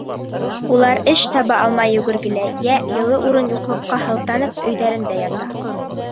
Улар эш таба алмай йүгергеләй йә йылы урын юҡлыҡҡа һылтанып өйҙәрендә ята.